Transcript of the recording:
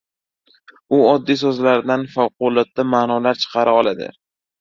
U oddiy so‘zlardan favqulodda ma’nolar chiqara oladi.